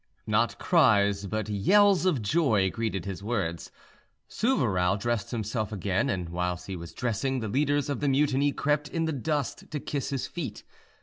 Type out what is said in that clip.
Not cries but yells of joy greeted his words. Souvarav dressed himself again, and whilst he was dressing the leaders of the mutiny crept in the dust to kiss his feet.